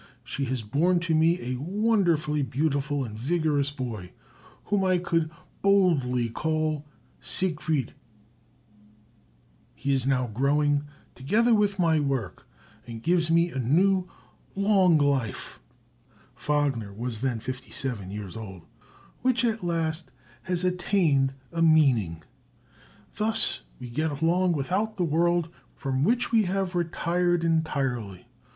She has borne to me a wonderfully beautiful and vigorous boy, whom I could boldly call 'Siegfried': he is now growing, together with my work, and gives me a new, long life [Wagner was then fifty seven years old], which at last has attained a meaning. Thus we get along without the world, from which we have retired entirely....